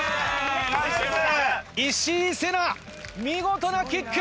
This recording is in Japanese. ・石井彗那見事なキック！